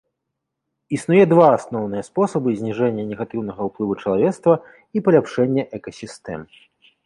Існуе два асноўныя спосабы зніжэння негатыўнага ўплыву чалавецтва і паляпшэння экасістэм.